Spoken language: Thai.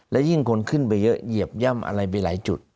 และยิ่งคนขึ้นไปเยอะเหยียบย่ำอะไรไปหลายจุด